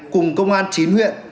cùng công an chín huyện